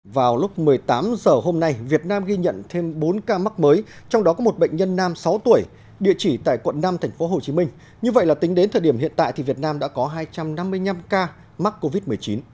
vào lúc một mươi tám h hôm nay việt nam ghi nhận thêm bốn ca mắc mới trong đó có một bệnh nhân nam sáu tuổi địa chỉ tại quận năm tp hcm như vậy là tính đến thời điểm hiện tại thì việt nam đã có hai trăm năm mươi năm ca mắc covid một mươi chín